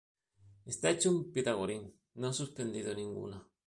Está hecho un pitagorín, no ha suspendido ninguna